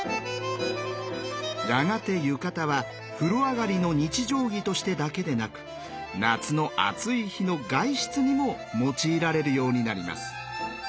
やがて浴衣は風呂上がりの日常着としてだけでなく夏の暑い日の外出にも用いられるようになります。